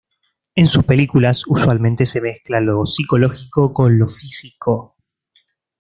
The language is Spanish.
En sus películas, usualmente se mezcla lo psicológico con lo físico.